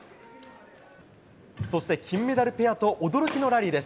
そして金メダルペアと驚きのラリーです。